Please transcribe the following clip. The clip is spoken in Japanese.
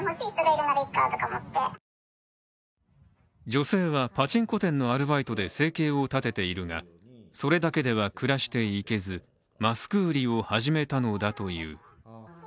女性はパチンコ店のアルバイトで生計を立てているがそれだけでは暮らしていけず、マスク売りを始めたのだという。